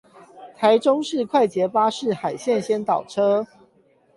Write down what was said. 臺中市快捷巴士海線先導車